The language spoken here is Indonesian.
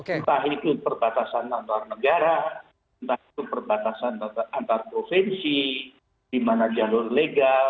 entah itu perbatasan antar negara perbatasan antar provinsi di mana jalur legal jalur ilegal